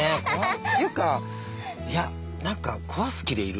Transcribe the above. っていうかいや何か壊す気でいる？